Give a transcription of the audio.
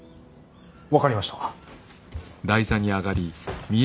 分かりました。